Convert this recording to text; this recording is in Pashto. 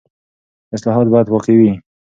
اصلاحات باید واقعي وي.